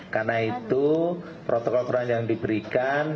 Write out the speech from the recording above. karena itu protokol protokol yang diberikan